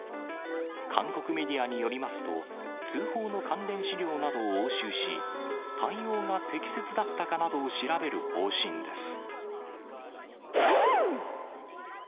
韓国メディアによりますと、通報の関連資料などを押収し、対応が適切だったかなどを調べる方針です。